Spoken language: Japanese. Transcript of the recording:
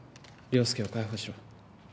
椋介を解放しろ。